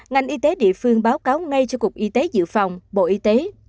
ngành y tế địa phương báo cáo ngay cho cục y tế dự phòng bộ y tế